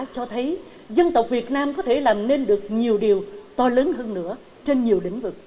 cho thấy dân tộc việt nam có thể làm nên được nhiều điều to lớn hơn nữa trên nhiều lĩnh vực